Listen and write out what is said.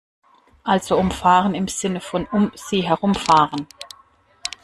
Also umfahren im Sinne von "um sie herumfahren".